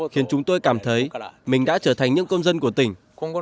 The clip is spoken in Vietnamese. khiến chúng tôi cảm thấy mình đã trở thành những công dân của tỉnh